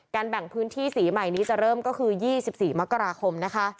แบ่งพื้นที่สีใหม่นี้จะเริ่มก็คือ๒๔มกราคมนะคะ